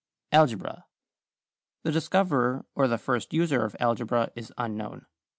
=Algebra.= The discoverer or the first user of algebra is unknown.